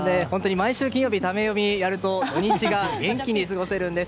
毎週金曜日、食べヨミやると土日が元気に過ごせるんです。